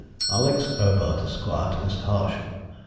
ALEX. AUBERT, ESQ., TO MISS HERSCHEL.